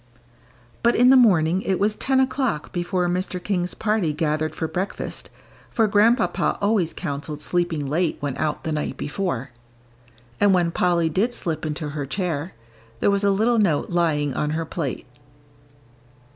But in the morning, it was ten o'clock before Mr. King's party gathered for breakfast, for Grandpapa always counselled sleeping late when out the night before. And when Polly did slip into her chair, there was a little note lying on her plate.